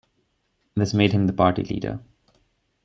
This made him the party leader.